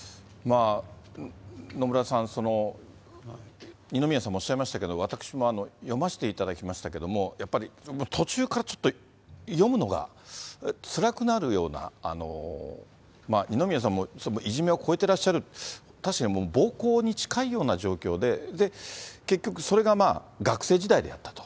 野村さん、二宮さんもおっしゃいましたけれども、私も読ませていただきましたけれども、やっぱり途中からちょっと読むのがつらくなるような、二宮さんもいじめを超えてらっしゃる、確かにもう暴行に近いような状況で、結局それが学生時代であったと。